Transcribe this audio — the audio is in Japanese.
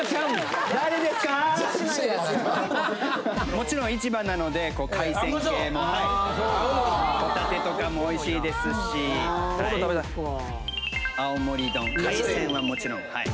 もちろん市場なので海鮮系もホタテとかもおいしいですしあおもり丼海鮮はもちろんはい。